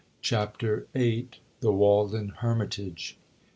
CHAPTER VIII. THE WALDEN HERMITAGE.